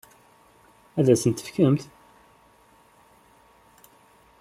Ad as-tent-tefkemt?